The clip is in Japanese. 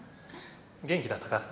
元気だったか？